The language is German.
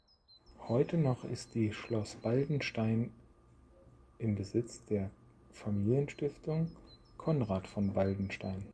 Heute noch ist die Schloss Baldenstein im Besitz der Familienstiftung Conrad von Baldenstein.